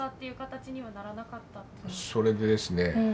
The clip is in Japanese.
それでですね